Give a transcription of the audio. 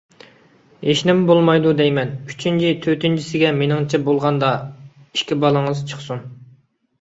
ھېچنىمە بولمايدۇ دەيمەن. ئۈچىنچى، تۆتىنچىسىگە مېنىڭچە بولغاندا ئىككى بالىڭىز چىقسۇن.